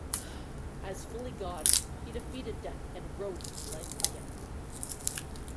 As fully God, he defeated death and rose to life again.